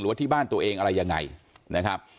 ว่าที่บ้านตัวเองอะไรยังไงนะครับ